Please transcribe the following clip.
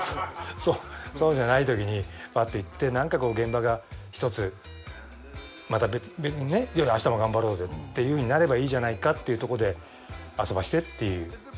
そうじゃないときにパーッと行ってなんか現場が１つまた別にね明日も頑張ろうぜっていうふうになればいいじゃないかっていうとこで遊ばせてっていう。